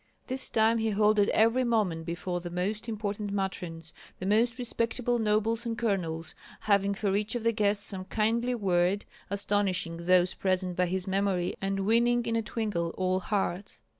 This time he halted every moment before the most important matrons, the most respectable nobles and colonels, having for each of the guests some kindly word, astonishing those present by his memory and winning in a twinkle all hearts.